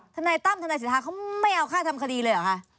ทนายตั้มทนายสิทธาเขาไม่เอาค่าทำคดีเลยเหรอคะ